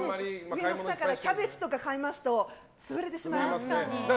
キャベツとか買いますと潰れてしまいます。